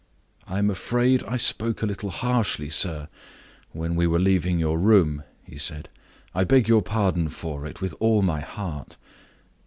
"I am afraid I spoke a little harshly, sir, when we were leaving your room," he said. "I beg your pardon for it, with all my heart.